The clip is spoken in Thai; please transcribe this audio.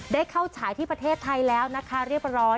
ได้เข้าฉายที่ประเทศไทยแล้วนะคะเรียบร้อย